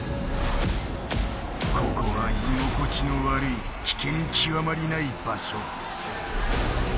ここは居心地の悪い危険極まりない場所。